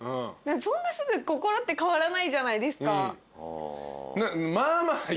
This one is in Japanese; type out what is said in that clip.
そんなすぐ心って変わらないじゃないですか。